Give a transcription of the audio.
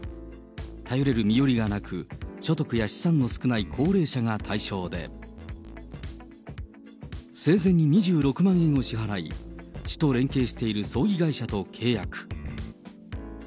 頼れる身寄りがなく、所得や資産の少ない高齢者が対象で、生前に２６万円を支払い、市と連携している葬儀会社と契約。